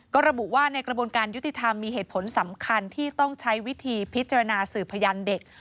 ก็ระบุว่าในกระบวนการยุติธรรมมีเหตุผลสำคัญที่ต้องใช้วิธีพิจารณาสืบพยานเด็ก